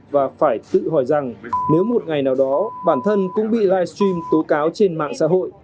và phải tự hỏi rằng nếu một ngày nào đó bản thân cũng bị livestream tố cáo trên mạng xã hội